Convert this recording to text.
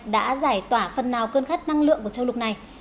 đã giải tỏa phần nào cơn khát năng lượng của châu lục này